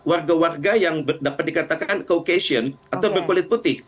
warga warga yang dapat dikatakan caucation atau berkulit putih